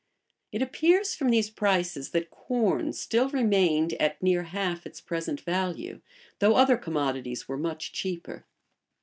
[] It appears from these prices, that corn still remained at near half its present value; though other commodities were much cheaper.